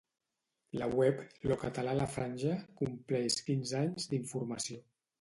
La web ‘Lo català a la Franja’ compleix quinze anys d’informació.